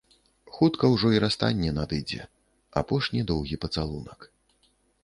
Хутка ўжо й расстанне надыдзе, апошні доўгі пацалунак.